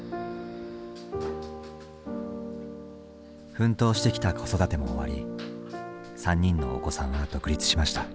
奮闘してきた子育ても終わり３人のお子さんは独立しました。